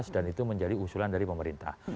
dan itu menjadi usulan dari pemerintah